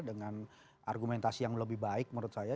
dengan argumentasi yang lebih baik menurut saya